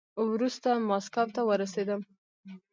وروسته ماسکو ته ورسېدم.